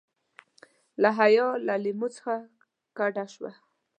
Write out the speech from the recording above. له حیا له لیمو څخه کډه شو.